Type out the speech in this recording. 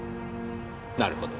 なるほど。